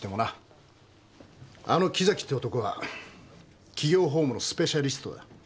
あの木崎って男は企業法務のスペシャリストだ。